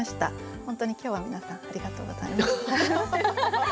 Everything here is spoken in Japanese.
本当に今日は皆さんありがとうございます。